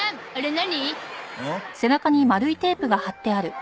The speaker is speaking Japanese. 何？